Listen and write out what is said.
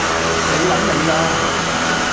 你諗你啦